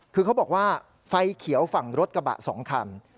คือเขาบอกว่าไฟเขียวฝั่งรถกระบะ๒คัน